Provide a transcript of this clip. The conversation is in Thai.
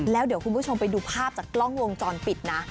แล้วเดี๋ยวคุณผู้ชมไปดูภาพจากกล้องวงจรปิดนะ